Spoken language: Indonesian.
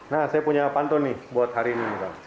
nah saya punya pantun nih buat hari ini